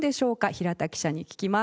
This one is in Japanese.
平田記者に聞きます。